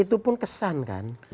itu pun kesan kan